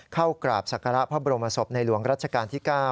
เข้ากราบศักระพระบรมศพในหลวงรัชกาลที่๙